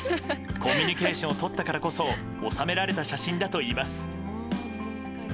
コミュニケーションをとったからこそ収められた写真だといいます。